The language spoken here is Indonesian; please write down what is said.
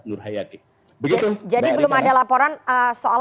nurhayati begitu jadi belum ada laporan soal